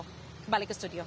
kembali ke studio